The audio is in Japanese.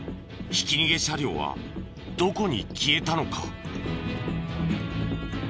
ひき逃げ車両はどこに消えたのか？